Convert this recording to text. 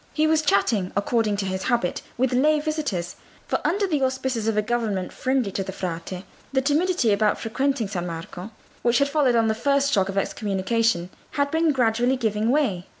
He was chatting, according to his habit, with lay visitors; for under the auspices of a government friendly to the Frate, the timidity about frequenting San Marco, which had followed on the first shock of the Excommunication, had been gradually giving way.